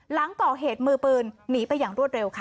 หลังก่อเหตุมือปืนหนีไปอย่างรวดเร็วค่ะ